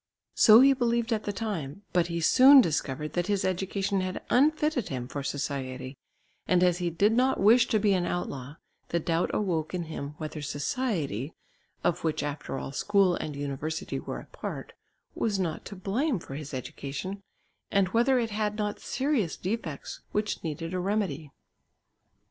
So he believed at the time, but he soon discovered that his education had unfitted him for society, and as he did not wish to be an outlaw the doubt awoke in him whether society, of which after all school and university were a part, was not to blame for his education, and whether it had not serious defects which needed a remedy.